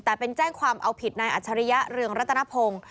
แต่เป็นแจ้งความเอาผิดนายอัจฉริยะเรืองรัตนพงศ์